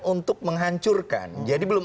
untuk menghancurkan jadi belum